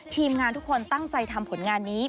ทีมงานทุกคนตั้งใจทำผลงานนี้